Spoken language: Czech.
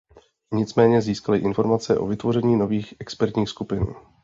Nicméně získaly informace o vytvoření nových expertních skupin.